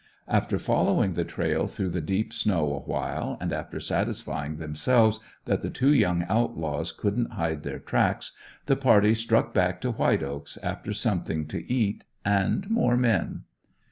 After following the trail through the deep snow awhile, and after satisfying themselves that the two young outlaws couldn't hide their tracks, the party struck back to White Oaks after something to eat, and more men.